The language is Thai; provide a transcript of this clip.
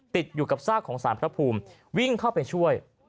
ติดอยู่กับซากของสารพระภูมิวิ่งเข้าไปช่วย